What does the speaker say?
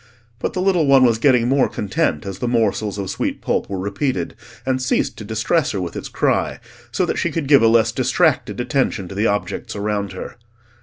But the little one was getting more content as the morsels of sweet pulp were repeated, and ceased to distress her with its cry, so that she could give a less distracted attention to the objects around her.